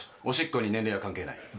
おしっこに年齢は関係ない。